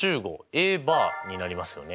Ａバーになりますよね。